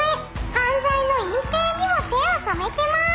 「犯罪の隠蔽にも手を染めてまーす」